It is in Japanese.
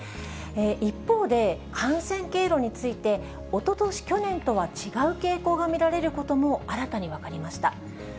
一方で、感染経路について、おととし、去年とは違う傾向が見られることも新たに分かりました。